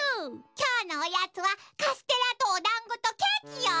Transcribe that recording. きょうのおやつはカステラとおだんごとケーキよ。